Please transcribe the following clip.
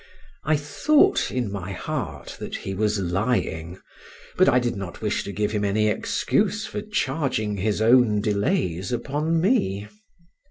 I thought in my heart that he was lying; but I did not wish to give him any excuse for charging his own delays upon me.